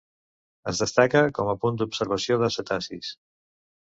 Es destaca com a punt d'observació de cetacis.